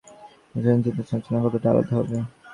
প্রসেনজিতের সঞ্চালনা কতটা আলাদা হবে?